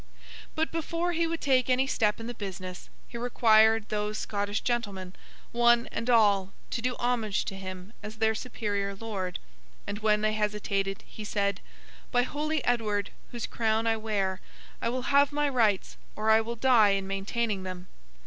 But, before he would take any step in the business, he required those Scottish gentlemen, one and all, to do homage to him as their superior Lord; and when they hesitated, he said, 'By holy Edward, whose crown I wear, I will have my rights, or I will die in maintaining them!